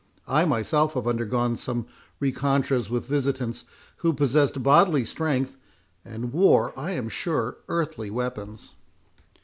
I myself have undergone some rencontres with visitants who possessed bodily strength, and wore, I am sure, earthly weapons."